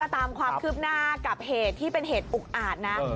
ตามความคืบหน้ากับเหตุที่เป็นเหตุอุกอาจนะ